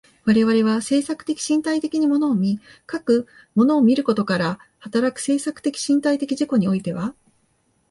我々は制作的身体的に物を見、かく物を見ることから働く制作的身体的自己においては、